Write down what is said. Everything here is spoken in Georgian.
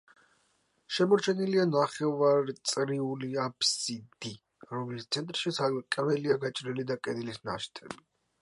შემორჩენილია ნახევარწრიული აფსიდი, რომლის ცენტრში სარკმელია გაჭრილი და კედლის ნაშთები.